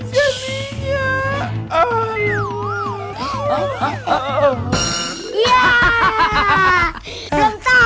jangan bunuh perhaps udah kan